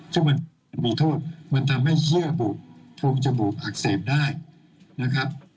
ซึ่งมันมีโทษมันทำให้เฮียบูดโพรงจมูกอักเสบได้นะครับ